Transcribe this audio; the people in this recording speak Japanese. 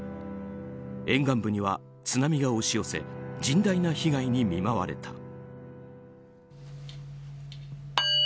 沿岸部には津波が押し寄せ甚大な被害に見舞われた。